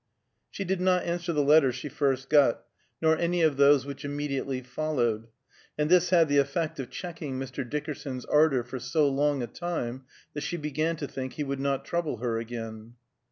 She did not answer the letter she first got, nor any of those which immediately followed, and this had the effect of checking Mr. Dickerson's ardor for so long a time that she began to think he would not trouble her again.